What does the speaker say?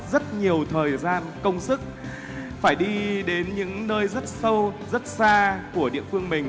rất nhiều thời gian công sức phải đi đến những nơi rất sâu rất xa của địa phương mình